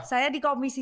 saya di komisi sembilan